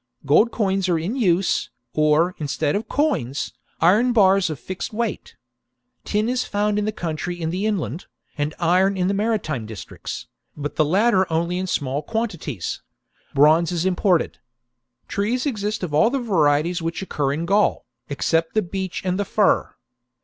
Gold coins are in use, or, instead of coins, iron bars of fixed weight.^ Tin is found in the country in the inland, and iron in the maritime districts, but the latter only in small quantities ; bronze is imported. Trees exist of all the varieties which occur in Gaul, except the beech * and the fir.